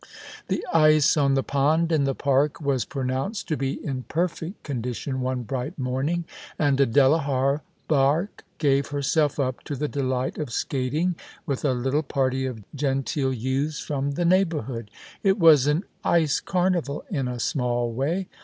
The ice on the pond in the park was pronounced to be in perfect condition one bright morning, and Adela Hawberk gave herself up to the delight of skating with a little party of genteel youths from the neighbourhood. It was an ice carnival in a small way.